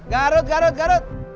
garut garut garut